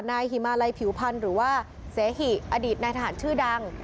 หิมาลัยผิวพันธ์หรือว่าเสหิอดีตนายทหารชื่อดัง